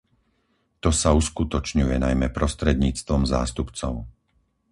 To sa uskutočňuje najmä prostredníctvom zástupcov.